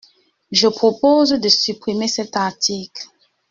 Je propose de supprimer cet article.